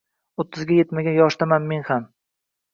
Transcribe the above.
O’ttizga yetmagan yoshdaman men ham.